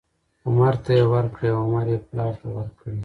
عمر ته یې ورکړې او عمر یې پلار ته ورکړې،